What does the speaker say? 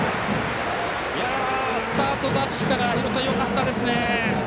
スタートダッシュから廣瀬さんよかったですね。